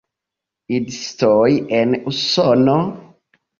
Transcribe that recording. Idistoj en Usono?